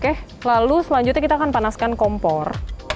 oke lalu selanjutnya kita akan panaskan kompor